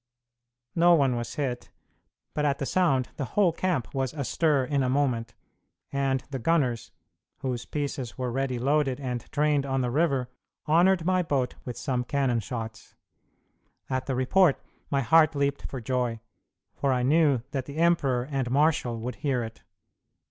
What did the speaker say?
No one was hit; but at the sound the whole camp was astir in a moment, and the gunners, whose pieces were ready loaded and trained on the river, honored my boat with some cannon shots. At the report my heart leaped for joy, for I knew that the emperor and marshal would hear it.